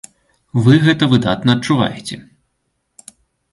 Вы гэта выдатна адчуваеце.